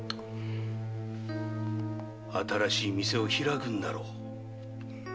新しい店を開くんだろ。